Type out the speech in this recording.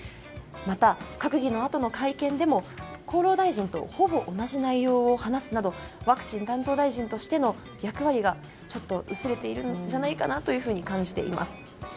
また、閣議のあとの会見でも厚労大臣とほぼ同じ内容を話すなどワクチン担当大臣としての役割が薄れているんじゃないかと感じています。